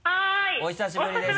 お久しぶりです。